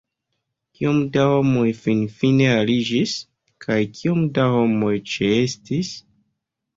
Kiom da homoj finfine aliĝis, kaj kiom da homoj ĉeestis?